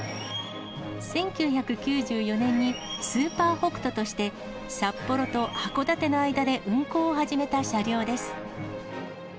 １９９４年にスーパー北斗として、札幌と函館の間で運行を始めた車両です。